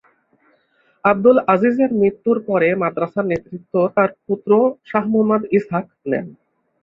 আবদুল আজিজের মৃত্যুর পরে মাদ্রাসার নেতৃত্ব তার পুত্র শাহ মুহাম্মদ ইসহাক নেন।